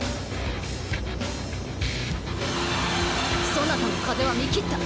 そなたの風は見切った！